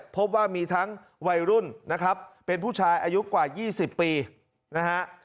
พบว่ามีทั้งวัยรุ่นนะครับเป็นผู้ชายอายุกว่า๒๐ปีนะฮะ